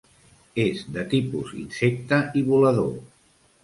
És de tipus insecte i volador.